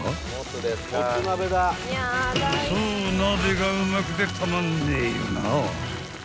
［そう鍋がうまくてたまんねえよな］